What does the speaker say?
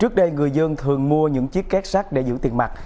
trước đây người dân thường mua những chiếc két sắt để giữ tiền mặt